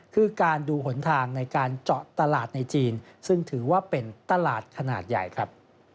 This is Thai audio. คือการดูหนทางในการเจาะตลาดในจีนซึ่งถือว่าเป็นตลาดขนาดใหญ่ครับ